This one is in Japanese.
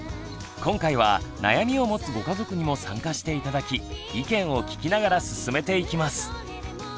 今回は悩みを持つご家族にも参加して頂き意見を聞きながら進めていきます。